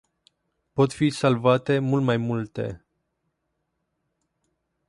Pot fi salvate mult mai multe.